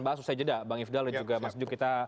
bahas usai jeda bang ifdal dan juga mas juk kita